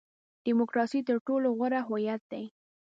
ډیموکراسي تر ټولو غوره هویت دی.